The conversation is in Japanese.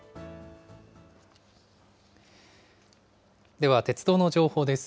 では、鉄道の情報です。